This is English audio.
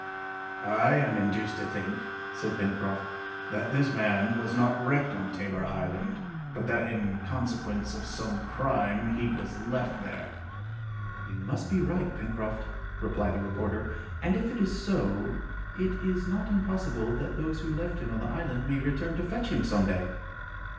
"I am induced to think," said Pencroft, "that this man was not wrecked on Tabor Island, but that in consequence of some crime he was left there." "You must be right, Pencroft," replied the reporter, "and if it is so it is not impossible that those who left him on the island may return to fetch him some day!"